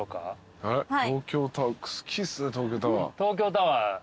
東京タワー